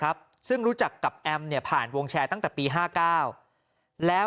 ครับซึ่งรู้จักกับแอมเนี่ยผ่านวงแชร์ตั้งแต่ปี๕๙แล้ว